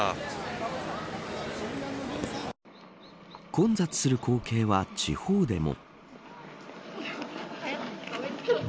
混雑する光景は地方でも。